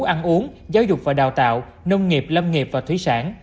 ăn uống giáo dục và đào tạo nông nghiệp lâm nghiệp và thủy sản